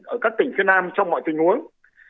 ở các tỉnh phía nam trong mọi tình huống